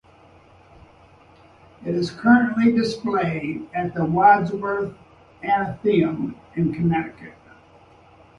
It is currently displayed at the Wadsworth Atheneum in Connecticut.